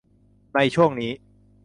ในช่วงนี้